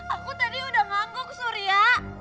aku tadi udah ngangguk surya